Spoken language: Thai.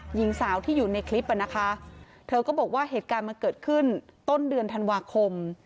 หญิงสาวที่อยู่ในคลิปอ่ะนะคะเธอก็บอกว่าเหตุการณ์มันเกิดขึ้นต้นเดือนธันวาคม